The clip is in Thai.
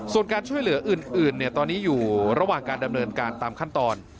ส่วนการช่วยเหลืออื่นตอนนี้อยู่ระหว่างการดำเนินการตามขั้นตอน